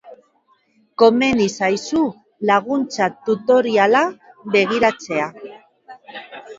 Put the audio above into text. Komeni zaizu laguntza tutoriala begiratzea.